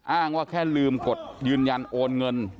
อ้างว่าแค่ลืมกดยืนยันโอนเงิน